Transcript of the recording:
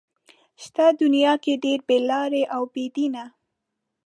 شته دنيا کې ډېر بې لارې او بې دينه